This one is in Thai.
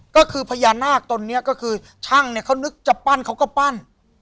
ก็คือพญานาคตนนี้ก็คือช่างเนี่ยเขานึกจะปั้นเขาก็ปั้น